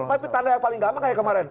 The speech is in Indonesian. tapi tanda yang paling gampang kayak kemarin